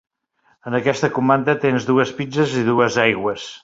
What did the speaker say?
En aquesta comanda tens dues pizzes i dues aigües.